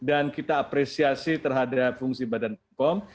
dan kita apresiasi terhadap fungsi badan pom